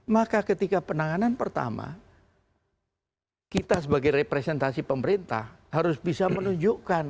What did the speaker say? maka ketika penanganan pertama kita sebagai representasi pemerintah harus bisa menunjukkan